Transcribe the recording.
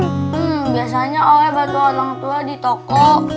hmm biasanya oleh bantu orang tua di toko